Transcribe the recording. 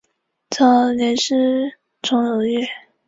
早年师从楼郁。